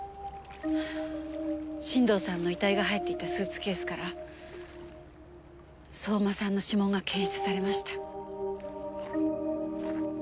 進藤さんの遺体が入っていたスーツケースから相馬さんの指紋が検出されました。